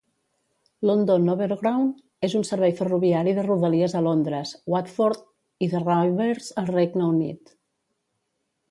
London Overground és un servei ferroviari de rodalies a Londres, Watford i Three Rivers, al Regne Unit.